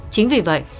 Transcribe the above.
chính vì vậy